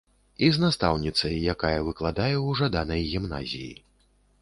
І з настаўніцай, якая выкладае ў жаданай гімназіі.